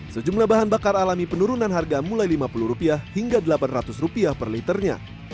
sejumlah bahan bakar alami penurunan harga mulai rp lima puluh hingga rp delapan ratus per liternya